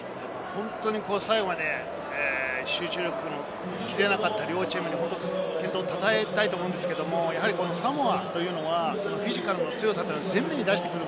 本当に最後まで集中力の切れなかった両チームに健闘を称えたいと思うんですが、このサモアというのはフィジカルの強さ、全部に出してくる。